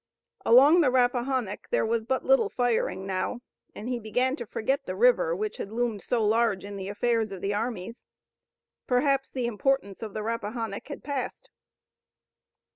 Along the Rappahannock there was but little firing now, and he began to forget the river which had loomed so large in the affairs of the armies. Perhaps the importance of the Rappahannock had passed.